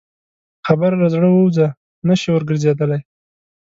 خبره له زړه ووځه، نه شې ورګرځېدلی.